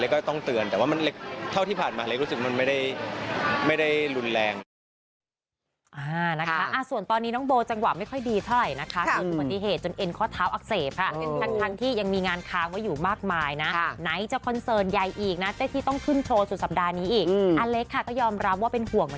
แล้วก็ต้องเตือนแต่ว่ามันเล็กเท่าที่ผ่านมาเล็กรู้สึกมันไม่ได้รุนแรง